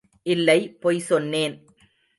இல்லை பொய் சொன்னேன்.